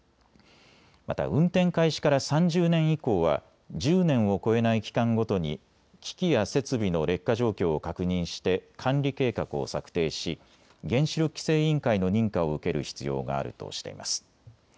また運転開始から３０年以降は１０年を超えない期間ごとに機器や設備の劣化状況を確認して管理計画を策定し原子力規制委員会の認可を受ける必要があるとしています。